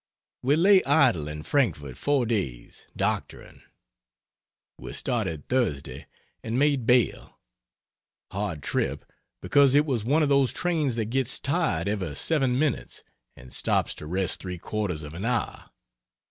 We lay idle in Frankfort 4 days, doctoring. We started Thursday and made Bale. Hard trip, because it was one of those trains that gets tired every seven minutes and stops to rest three quarters of an hour.